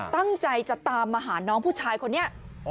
ตั้งใจจะตามมาหาน้องผู้ชายคนนี้